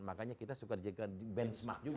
makanya kita suka dijaga benchmark juga di asia